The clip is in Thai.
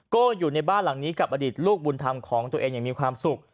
อยู่ในบ้านหลังนี้กับอดีตลูกบุญธรรมของตัวเองอย่างมีความสุข